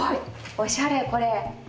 おしゃれこれ。